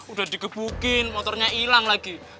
udah digebukin motornya hilang lagi